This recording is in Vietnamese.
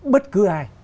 bất cứ ai